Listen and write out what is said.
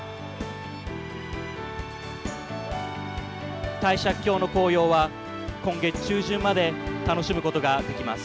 帝釈峡の紅葉は今月中旬まで楽しむことができます。